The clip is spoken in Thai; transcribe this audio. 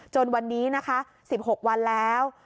จนวันนี้นะคะ๑๖วันแล้ว